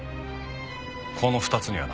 この２つにはな。